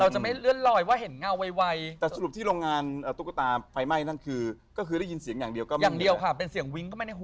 จนเราต้องส่องไฟสายให้เขา